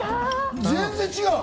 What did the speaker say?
全然違う。